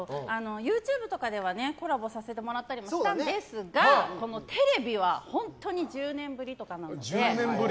ＹｏｕＴｕｂｅとかではコラボさせてもらったりもしたんですがテレビは本当に１０年ぶりとかなので。